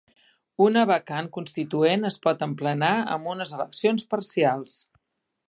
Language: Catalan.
Una vacant constituent es pot emplenar amb unes eleccions parcials.